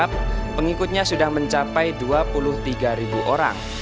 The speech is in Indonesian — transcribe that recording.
pengikutnya sudah mencapai dua puluh tiga ribu orang